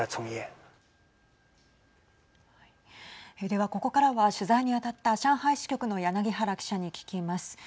ではここからは取材にあたった上海支局の柳原記者に聞きます。